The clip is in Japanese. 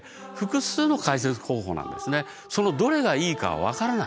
そのどれがいいかは分からない。